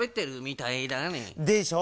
でしょ。